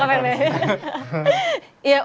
gak pengen deh